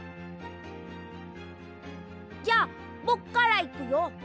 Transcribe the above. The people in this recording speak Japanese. じゃあぼくからいくよ。